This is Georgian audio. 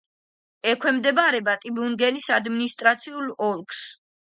ექვემდებარება ტიუბინგენის ადმინისტრაციულ ოლქს.